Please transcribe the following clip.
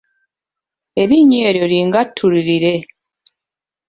Erinnya eryo lingattululire.